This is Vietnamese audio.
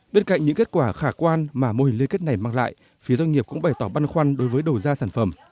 bên cạnh những kết quả khả quan mà mô hình liên kết này mang lại phía doanh nghiệp cũng bày tỏ băn khoăn đối với đầu ra sản phẩm